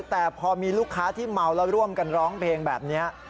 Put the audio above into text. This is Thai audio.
แต่พอมีลูกค้าที่เมาแล้วร่วมกันร้องเพลงแบบนี้